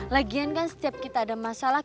lagian kan setiap kita ada masalah